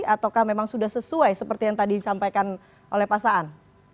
atau memang sudah sesuai seperti yang tadi disampaikan oleh pasaan